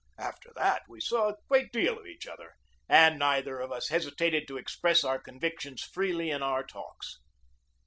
After that we saw a great deal of each other, and neither of us hesitated to express our convic tions freely in our talks.